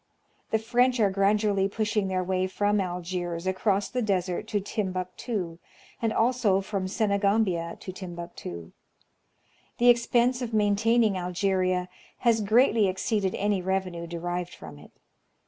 The French are gradually pushing their way from Algiers across the desert to Timbuctu, and also from Senegambia to Timbuctu. The ex pense of maintaining Algeria has greatly exceeded any revenue derived from it.